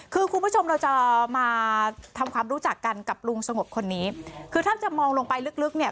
คือคุณผู้ชมเราจะมาทำความรู้จักกันกับลุงสงบคนนี้คือถ้าจะมองลงไปลึกลึกเนี่ย